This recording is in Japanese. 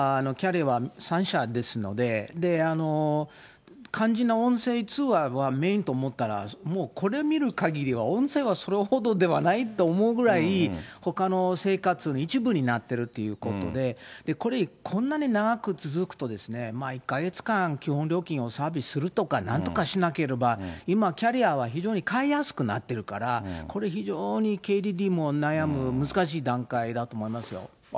主にはキャリアは３社ですので、肝心の音声通話はメインと思ったら、これ見るかぎりは音声はそれほどではないと思うぐらい、ほかの生活の一部になってるっていうことで、これ、こんなに長く続くと、１か月間、基本料金をサービスするとかなんとかしなければ、今、キャリアは非常に変えやすくなっているから、これ、非常にＫＤＤＩも悩む、難しい段階だと思いますよ。